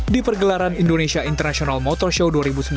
di pergelaran indonesia international motor show dua ribu sembilan belas